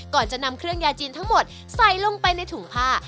ก่อนจะนำเครื่องยาจีนทั้งหมดใส่ลงไปในถุงผ้า